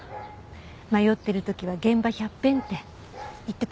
「迷ってる時は現場百遍」って言ってたもんね。